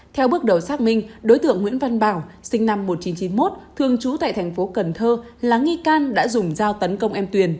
theo bước đầu xác minh đối tượng nguyễn văn bảo sinh năm một nghìn chín trăm chín mươi một thường trú tại thành phố cần thơ là nghi can đã dùng dao tấn công em tuyền